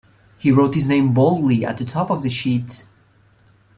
He wrote his name boldly at the top of the sheet.